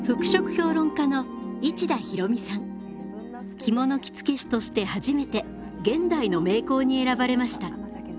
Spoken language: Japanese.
着物着付け師として初めて現代の名工に選ばれました。